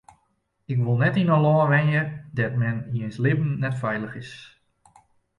Ik wol net yn in lân wenje dêr't men jins libben net feilich is.